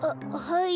はい！